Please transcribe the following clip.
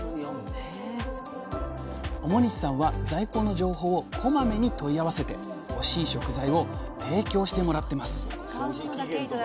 表西さんは在庫の情報をこまめに問い合わせて欲しい食材を提供してもらってます